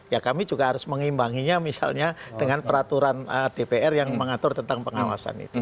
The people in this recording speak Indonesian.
ya kami juga harus mengimbanginya misalnya dengan peraturan dpr yang mengatur tentang pengawasan itu